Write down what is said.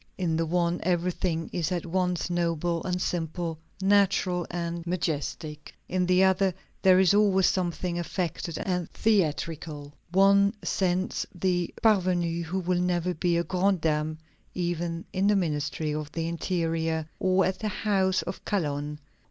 In the one, everything is at once noble and simple, natural and majestic; in the other there is always something affected and theatrical; one scents the parvenue who will never be a grande dame, even in the Ministry of the Interior or at the house of Calonne.